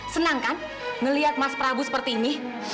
senang kan ngelihat mas prabu seperti ini